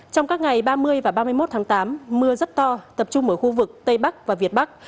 trong các ngày ba mươi và ba mươi một tháng tám mưa rất to tập trung ở khu vực tây bắc và việt bắc